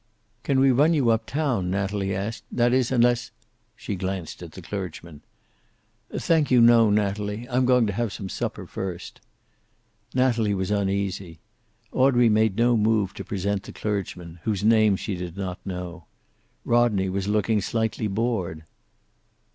"Can we run you up town?" Natalie asked. "That is, unless " She glanced at the clergyman. "Thank you, no, Natalie. I'm going to have some supper first." Natalie was uneasy. Audrey made no move to present the clergyman, whose name she did not know. Rodney was looking slightly bored.